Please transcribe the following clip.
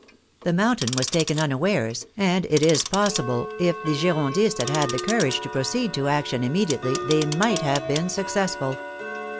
The Mountain was taken unawares, and it is possible, if the Girondists had had the courage to proceed to action immediately, they might have been successful.